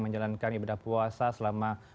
menjalankan ibadah puasa selama